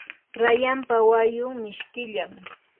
rayanpa wayun mishkillam.